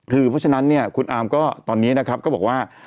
คือเพราะฉะนั้นเนี่ยคุณอาร์มก็ตอนนี้นะครับก็บอกว่า